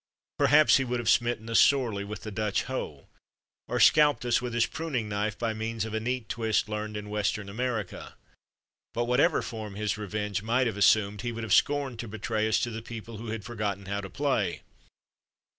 Perhaps he would have smitten us sorely with the Dutch hoe, or scalped us with his pruning knife by means of a neat twist learnt in Western America, but what ever form his revenge might have assumed he would have scorned to betray us to the people who had forgotten how to play.